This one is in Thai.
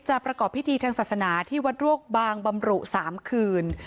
ประกอบพิธีทางศาสนาที่วัดรวกบางบำรุ๓คืน